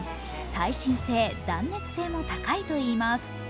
耐震性、断熱性も高いといいます。